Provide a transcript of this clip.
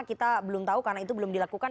kita belum tahu karena itu belum dilakukan